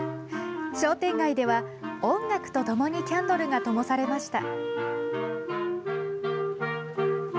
商店街では、音楽とともにキャンドルがともされました。